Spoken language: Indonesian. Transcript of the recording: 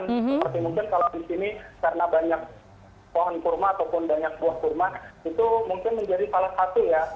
seperti mungkin kalau di sini karena banyak pohon kurma ataupun banyak buah kurma itu mungkin menjadi salah satu ya